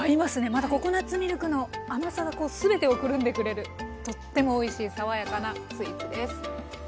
またココナツミルクの甘さが全てをくるんでくれるとってもおいしい爽やかなスイーツです。